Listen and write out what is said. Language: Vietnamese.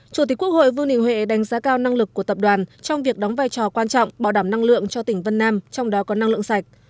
chủ tịch quốc hội vương đình huệ đánh giá cao năng lực của tập đoàn trong việc đóng vai trò quan trọng bảo đảm năng lượng cho tỉnh vân nam trong đó có năng lượng sạch